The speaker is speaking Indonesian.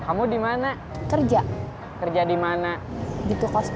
hari ini kami nanggur